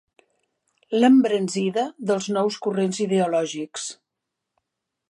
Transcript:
L'embranzida dels nous corrents ideològics.